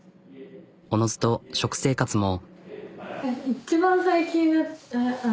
おのずと食生活も。